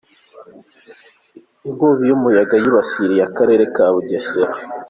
Inkubi y’umuyaga yibasiye Akarere ka Bugesera